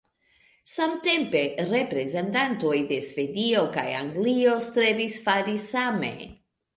Samtempe, reprezentantoj de Svedio kaj Anglio strebis fari same.